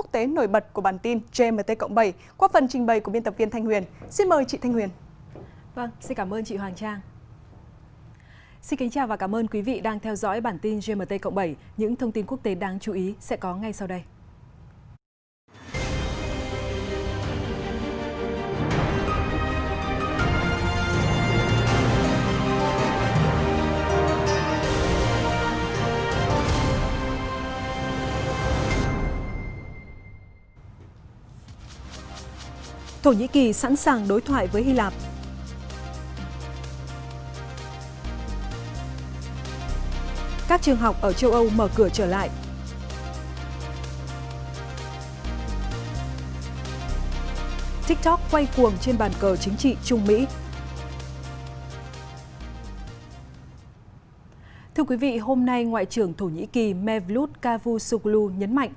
thưa quý vị hôm nay ngoại trưởng thổ nhĩ kỳ mevlut cavusoglu nhấn mạnh